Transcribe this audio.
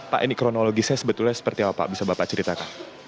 pak ini kronologisnya sebetulnya seperti apa pak bisa bapak ceritakan